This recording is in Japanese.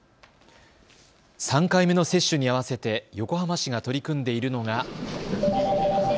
３回目の接種に合わせて横浜市が取り組んでいるのが。